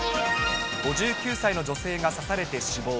５９歳の女性が刺されて死亡。